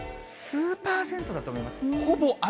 数％だと思います。